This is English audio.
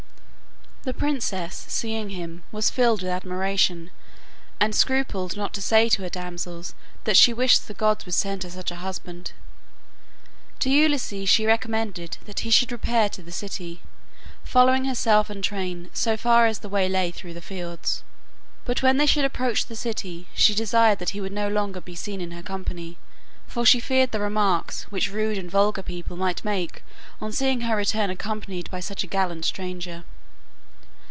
The princess, seeing him, was filled with admiration, and scrupled not to say to her damsels that she wished the gods would send her such a husband. To Ulysses she recommended that he should repair to the city, following herself and train so far as the way lay through the fields; but when they should approach the city she desired that he would no longer be seen in her company, for she feared the remarks which rude and vulgar people might make on seeing her return accompanied by such a gallant stranger.